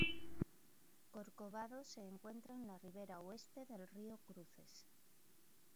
Corcovado se encuentra en la ribera oeste del río Cruces.